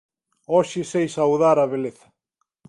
Hoxe sei saudar á beleza